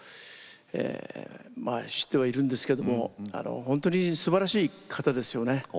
知ってはいるんですけれども本当にすばらしい方ですよね。